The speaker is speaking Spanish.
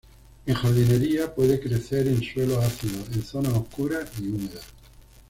En jardinería, puede crecer en suelos ácidos en zonas oscuras y húmedas.